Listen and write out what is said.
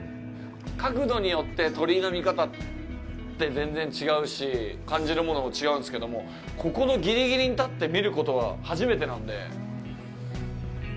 角度によって鳥居の見え方って全然違うし感じるものも違うんすけどもここのぎりぎりに立って見ることは初めてなんで。